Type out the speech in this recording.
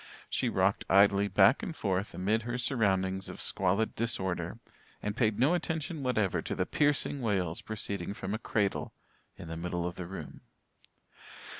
She rocked idly back and forth amid her surroundings of squalid disorder, and paid no attention whatever to the piercing wails proceeding from a cradle in the middle of the room.